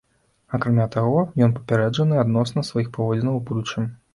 Акрамя таго, ён папярэджаны адносна сваіх паводзінаў у будучым.